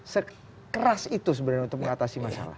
sekeras itu sebenarnya untuk mengatasi masalah